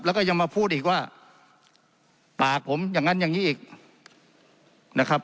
แล้วก็ยังมาพูดอีกว่าปากผมอย่างนั้นอย่างนี้อีกนะครับ